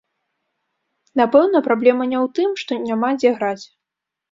Напэўна, праблема не ў тым, што няма дзе граць.